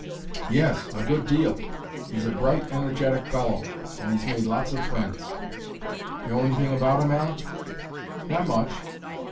"Yes; a good deal. He's a bright, energetic fellow, and he's made lots of friends." "Know anything about him, Aleck?" "Not much.